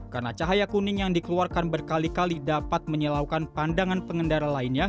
karena cahaya kuning yang dikeluarkan berkali kali dapat menyelaukan pandangan pengendara lainnya